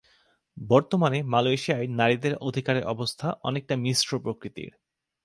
বর্তমানে মালয়েশিয়ায় নারীদের অধিকারের অবস্থা অনেকটা মিশ্র প্রকৃতির।